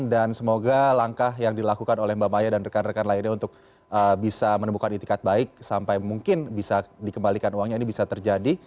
dan semoga langkah yang dilakukan oleh mbak maya dan rekan rekan lainnya untuk bisa menemukan itikat baik sampai mungkin bisa dikembalikan uangnya ini bisa terjadi